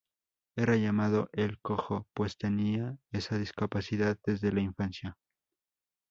Era llamado "el Cojo", pues tenía esa discapacidad desde la infancia.